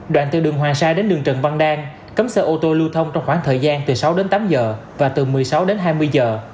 đoạn từ đường hoàng sa đến đường trần văn đang cấm xe ô tô lưu thông trong khoảng thời gian từ sáu đến tám giờ và từ một mươi sáu đến hai mươi giờ